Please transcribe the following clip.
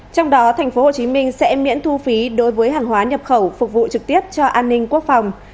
trong đó tp hcm sẽ miễn thu phí đối với hàng hóa nhập khẩu phục vụ trực tiếp cho an ninh quốc phòng